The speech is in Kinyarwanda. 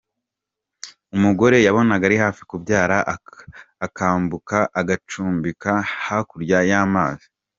Umugore yabonaga ari hafi kubyara akambuka agacumbika hakurya y’amazi.